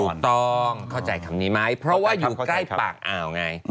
ถูกต้องเข้าใจคำนี้ไหมเพราะว่าอยู่ใกล้ปากอ่าวไง